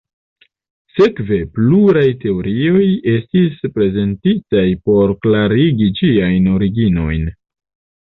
Sekve, pluraj teorioj estis prezentitaj por klarigi ĝiajn originojn.